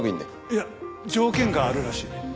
いや条件があるらしい。